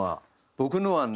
僕のはね。